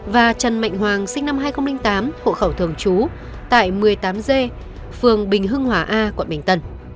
và trần mạnh hoàng sinh năm hai nghìn tám hộ khẩu thường trú tại một mươi tám g phường bình hưng hòa a quận bình tân